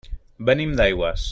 Venim d'Aigües.